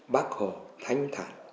bác hồ thanh thản